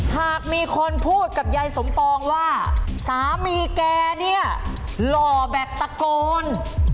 หากมีคนพูดกับยายสมปองว่าสามีแกเนี่ยหล่อแบบตะโกน